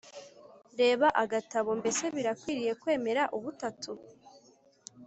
reba agatabo mbese birakwiriye kwemera ubutatu?